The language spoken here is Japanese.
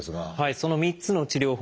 その３つの治療法